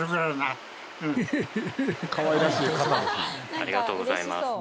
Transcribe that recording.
ありがとうございます。